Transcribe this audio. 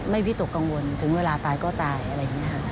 วิตกกังวลถึงเวลาตายก็ตายอะไรอย่างนี้ค่ะ